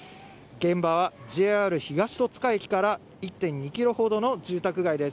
現場はＪＲ東戸塚駅から１．２キロほどの住宅街です。